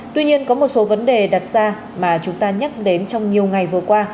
tuy nhiên có một số vấn đề đặt ra mà chúng ta nhắc đến trong nhiều ngày vừa qua